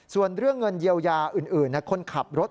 ส่วนเรื่องเงินเยียวยาอื่นคนขับรถ